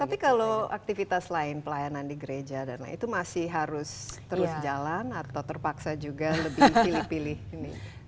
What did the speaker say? tapi kalau aktivitas lain pelayanan di gereja dan lain itu masih harus terus jalan atau terpaksa juga lebih pilih pilih ini